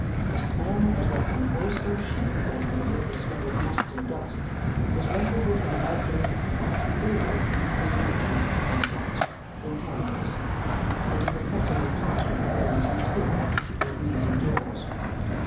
A smell as of unwholesome sheep blending with the smell of must and dust is referable to the nightly (and often daily) consumption of mutton fat in candles and to the fretting of parchment forms and skins in greasy drawers.